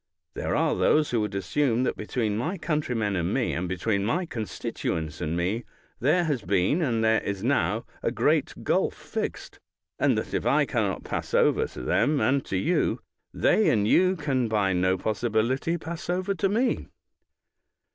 There are those who would assume that between my countr>Tnen and me, and between my constituents and me, there has been, and there is now, a great gulf fixed, and that if I can not pass over to them and to you, they and you can by no possibility pass over to me.